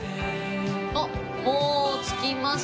あっもう着きました。